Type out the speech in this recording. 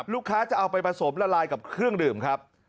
ลูกค้าจะเอาไปผสมละลายกับเครื่องดื่มครับ